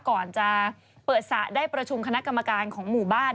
ก่อนจะเปิดสระได้ประชุมคณะกรรมการของหมู่บ้าน